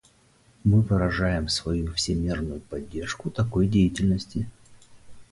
Мы выражаем свою всемерную поддержку такой деятельности.